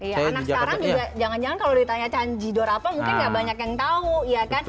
iya anak sekarang juga jangan jangan kalau ditanya kanjidor apa mungkin nggak banyak yang tahu